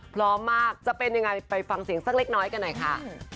พร้อมมากจะเป็นยังไงไปฟังเสียงสักเล็กน้อยกันหน่อยค่ะ